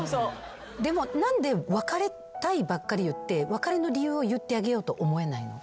でも何で別れたいばっかり言って別れの理由を言ってあげようと思えないの？